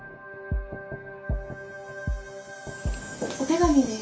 お手紙です。